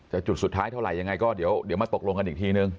จุดสุดท้ายเท่าไหร่ยังไงก็เดี๋ยวมาตกลงกันอีกทีนึง